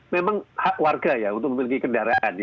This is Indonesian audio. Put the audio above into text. memang hak warga ya untuk memiliki kendaraan